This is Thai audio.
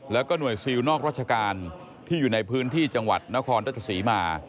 แล้วก็หน่วยซิลนอกราชการที่อยู่ในพื้นที่จังหวัดนครราชศรีมา